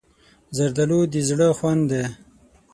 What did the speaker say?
زردالو د زړه خوند دی.